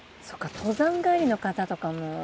そっか登山帰りの方とかも。